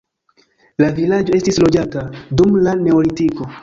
La vilaĝo estis loĝata dum la neolitiko.